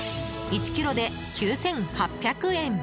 １ｋｇで９８００円。